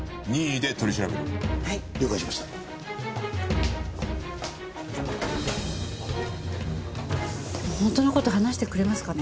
でも本当の事話してくれますかね？